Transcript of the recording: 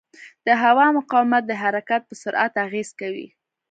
د هوا مقاومت د حرکت پر سرعت اغېز کوي.